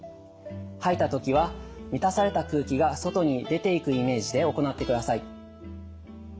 吐いた時は満たされた空気が外に出ていくイメージで行ってください。